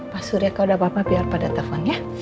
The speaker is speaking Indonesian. pak surya kalau udah apa apa biar pada telepon ya